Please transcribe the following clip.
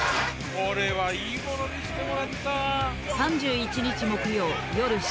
これはいいもの見せてもらったわ。